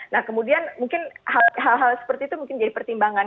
nah kemudian mungkin hal hal seperti itu mungkin jadi pertimbangan